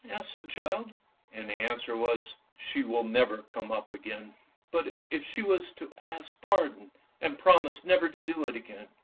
" asked the child, and the answer was, " She will never come up again." " But if she was to ask pardon, and promise never to do it again?